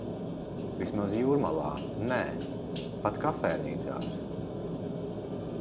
Vismaz Jūrmalā nē. Pat kafejnīcās.